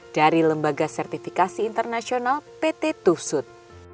dari lembaga sertifikasi internasional pt tuhsut